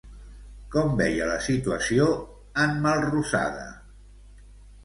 Com veia la situació en Melrosada?